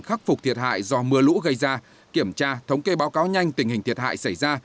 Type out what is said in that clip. khắc phục thiệt hại do mưa lũ gây ra kiểm tra thống kê báo cáo nhanh tình hình thiệt hại xảy ra